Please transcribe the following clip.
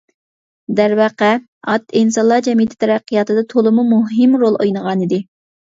دەرۋەقە، ئات ئىنسانلار جەمئىيىتى تەرەققىياتىدا تولىمۇ مۇھىم رول ئوينىغانىدى.